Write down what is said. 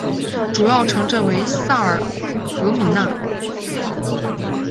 主要城镇为萨尔格米讷。